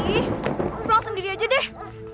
pulang sendiri aja deh